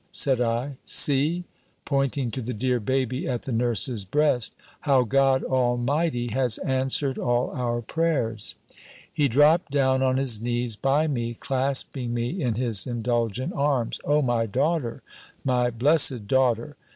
said I, "see" (pointing to the dear baby at the nurse's breast), "how God Almighty has answered all our prayers!" He dropped down on his knees by me, clasping me in his indulgent arms: "O my daughter! My blessed daughter!